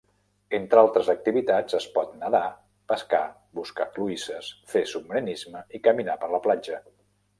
Entre altres activitats, es pot nadar, pescar, buscar cloïsses, fer submarinisme i caminar per la platja.